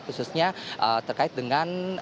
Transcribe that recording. yang seharusnya terkait dengan